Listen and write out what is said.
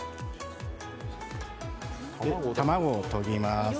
卵をとぎます。